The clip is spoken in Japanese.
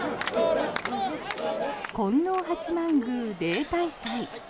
金王八幡宮例大祭。